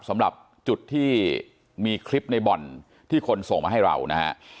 สำหรับจุดที่มีคลิปในบ่อนที่คนส่งมาให้เรานะฮะ